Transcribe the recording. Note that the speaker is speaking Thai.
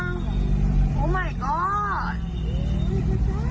นี่ไงแม่มันล่วงลงมาโอ้มายก็อด